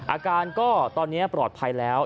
อาการก็ตอนนี้ปลอดภัยแล้ว